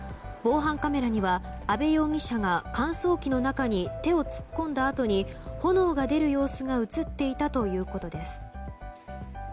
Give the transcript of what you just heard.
防犯カメラには阿部容疑者が乾燥機の中に手を突っ込んだあとに炎が出る様子が映っていたということです。